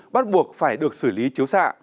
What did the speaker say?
bắt buộc phải được xử lý chiếu xạ